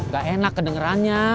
gak enak kedengerannya